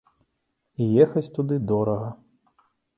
І ехаць туды дорага.